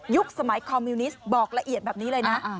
สมัยคอมมิวนิสต์บอกละเอียดแบบนี้เลยนะ